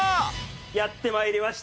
やって参りました。